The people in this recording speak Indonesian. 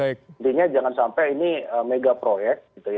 intinya jangan sampai ini mega proyek